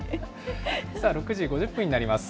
６時５０分になります。